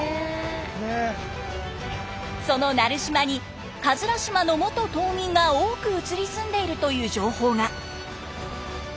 その奈留島に島の元島民が多く移り住んでいるという情報が。